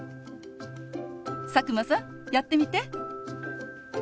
佐久間さんやってみて。